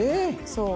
そう。